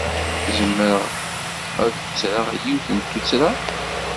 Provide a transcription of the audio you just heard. Zemreɣ ad d-ttreɣ yiwet n tuttra?